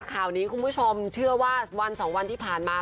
ข่าวนี้คุณผู้ชมเชื่อว่าวันสองวันที่ผ่านมา